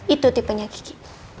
itu tipenya gigi